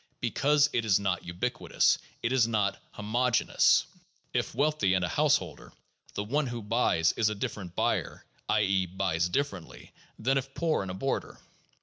Because it is not ubiquitous, it is not homogeneous. If wealthy and a householder, the one who buys is a different buyer — i. e., buys differently — than if poor and a boarder.